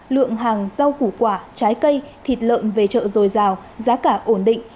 lượng hàng rau củ quả trái cây thịt lợn về chợ dồi dào giá cả ổn định